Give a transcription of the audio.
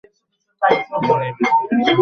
তিনি বিস্তারিত পড়তেন তবে তা সারাজীবন মনে থাকত।